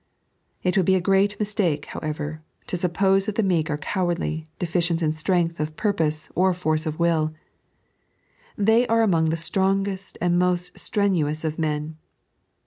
It would be a great mistake, however, to suppose that the meek are cowardly, deficient in strength of purpose or force of will: they are among the strongest and most strenuous of men.